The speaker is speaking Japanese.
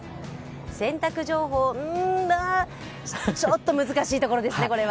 洗濯情報、うーん、ちょっと難しいところですね、これは。